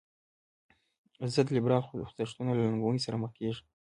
ضد لیبرال خوځښتونه له ننګونې سره مخ کیږي.